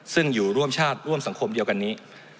ซึ่งอยู่ร่วมชาติร่วมสังคมเดียวกันนี้